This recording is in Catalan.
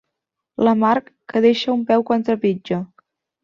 La marc que deixa un peu quan trepitja.